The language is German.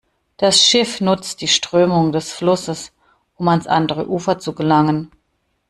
Das Schiff nutzt die Strömung des Flusses, um ans andere Ufer zu gelangen.